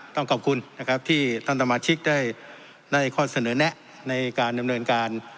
ต้องขอบคุณนะครับที่ท่านสมาชิกได้ข้อเสนอแนะในการดำเนินการ